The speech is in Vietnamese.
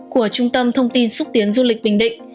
của trung tâm thông tin xúc tiến du lịch bình định